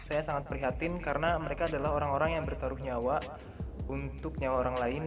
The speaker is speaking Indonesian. saya sangat prihatin karena mereka adalah orang orang yang bertaruh nyawa untuk nyawa orang lain